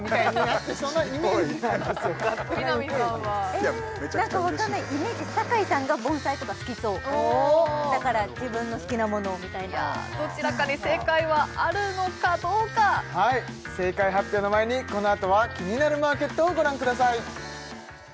ええ何かわかんないイメージ酒井さんが盆栽とか好きそうだから自分の好きなものをみたいなどちらかに正解はあるのかどうか正解発表の前にこのあとは「キニナルマーケット」をご覧ください